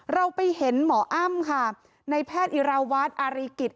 เราไปเห็นหมออ้ำค่ะในแพทย์อิราวัฒน์อารีกิจ